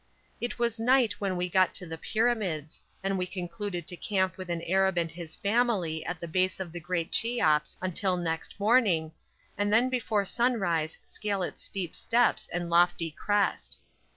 It was night when we got to the Pyramids, and we concluded to camp with an Arab and his family at the base of the great Cheops until next morning, and then before sunrise scale its steep steps and lofty crest.